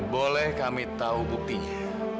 boleh kami tahu buktinya